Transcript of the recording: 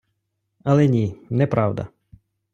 Але ні, неправда.